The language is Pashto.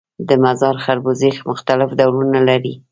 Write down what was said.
د مزار خربوزې مختلف ډولونه لري